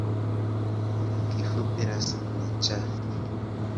Kifupi rasmi ni ‘Cha’.